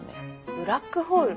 ブラックホール？